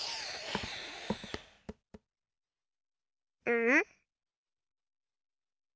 うん？